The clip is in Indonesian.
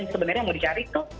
sebenarnya mau dicari tuh